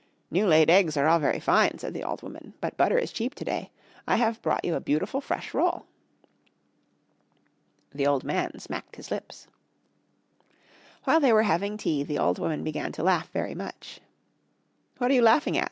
"New laid eggs are all very fine," said the old woman, "but butter is cheap to day. I have brought you a beautiful fresh roll." The old man smacked his lips. While they were having tea the old woman began to laugh very much. "What are you laughing at?"